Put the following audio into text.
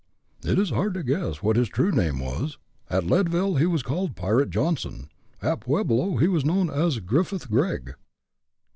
"It is hard to guess what his true name was. At Leadville he was called Pirate Johnson at Pueblo he was known as Griffith Gregg."